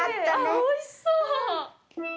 おいしそう。